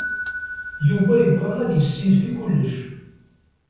Yuba yebɣa ad yessinef i kullec.